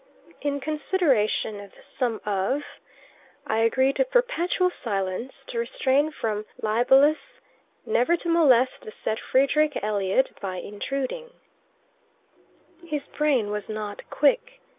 "In consideration of the sum of..., I agree to perpetual silence to restrain from libellous...never to molest the said Frederick Elliot by intruding '" His brain was not quick.